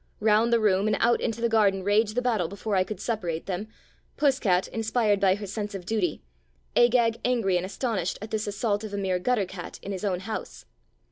Round the room and out into the garden raged the battle before I could separate them — Puss cat inspired by her sense of duty, Agag angry and astonished at this assault of a mere gutter cat in his own house.